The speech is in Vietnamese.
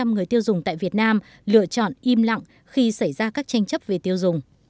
người tiêu dùng tại việt nam lựa chọn im lặng khi xảy ra các tranh chấp về tiêu dùng